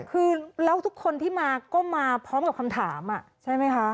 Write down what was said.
คือแล้วทุกคนที่มาก็มาพร้อมกับคำถามใช่ไหมคะ